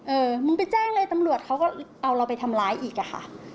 เออมึงไปแจ้งเลยตำรวจเขาก็เอาเราไปทำร้ายอีกอะค่ะ